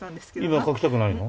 今は描きたくないの？